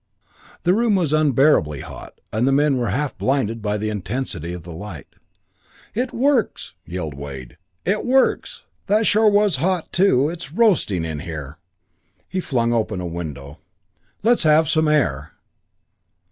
The room was unbearably hot, and the men were half blinded by the intensity of the light. "It works!" yelled Wade. "It works! That sure was hot, too it's roasting in here." He flung open a window. "Let's have some air."